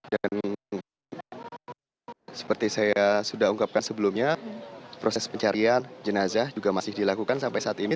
dan seperti saya sudah ungkapkan sebelumnya proses pencarian jenazah juga masih dilakukan sampai saat ini